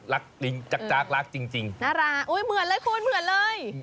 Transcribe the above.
ลิงจักรรักจริงน่ารักอุ้ยเหมือนเลยคุณเหมือนเลย